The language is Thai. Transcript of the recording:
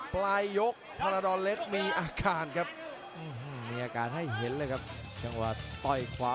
พอลาดอนเลยพยายามจะลัดล่างทวงเวลาไว้ก่อนครับ